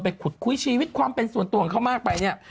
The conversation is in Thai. ขุดคุยชีวิตความเป็นส่วนตัวของเขามากไปเนี่ย